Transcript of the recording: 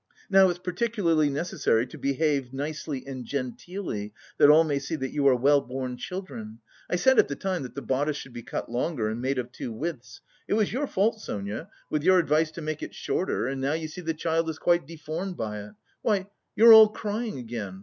"Now it's particularly necessary to behave nicely and genteelly, that all may see that you are well born children. I said at the time that the bodice should be cut longer, and made of two widths. It was your fault, Sonia, with your advice to make it shorter, and now you see the child is quite deformed by it.... Why, you're all crying again!